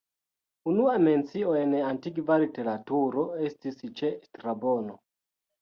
Unua mencio en antikva literaturo estis ĉe Strabono.